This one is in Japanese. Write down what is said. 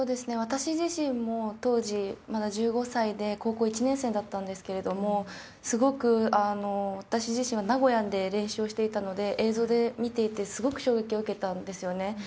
私自身も当時、まだ１５歳で高校１年生だったんですけれども、すごく、私自身は名古屋で練習をしていたので、映像で見ていて、すごく衝撃を受けたんですよね。